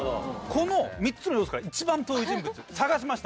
この３つの要素から一番遠い人物探しました。